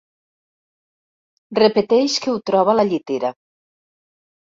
Repeteix que ho troba a la llitera.